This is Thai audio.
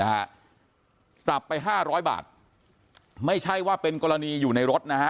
ปรับไปห้าร้อยบาทไม่ใช่ว่าเป็นกรณีอยู่ในรถนะฮะ